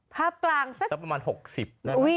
ภาพกลางประมาณ๖๐ได้หรือคะ